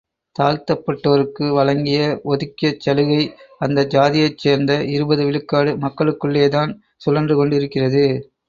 தாழ்த்தப்பட்டோருக்கு வழங்கிய ஒதுக்கியச் சலுகை அந்தச்சாதியைச் சேர்ந்த இருபது விழுக்காடு மக்களுக்குள்ளேதான் சுழன்றுக் கொண்டிருக்கிறது.